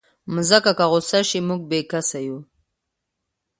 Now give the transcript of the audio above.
مځکه که غوسه شي، موږ بېکسه یو.